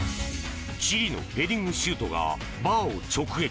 チリのヘディングシュートがバーを直撃。